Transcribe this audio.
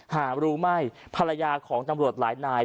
หารู้ไม่ภรรยาของตำรวจหลายนาย